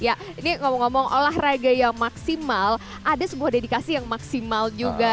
ya ini ngomong ngomong olahraga yang maksimal ada sebuah dedikasi yang maksimal juga